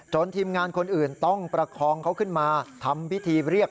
ทีมงานคนอื่นต้องประคองเขาขึ้นมาทำพิธีเรียก